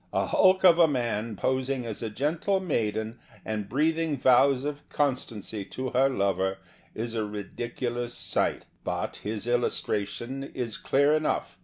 A hulk of a man posing as a gentle maiden and breathing vows of constancy to her lover is a ridiculous sight. But his illustra tion is clear enough.